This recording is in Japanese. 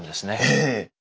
ええ。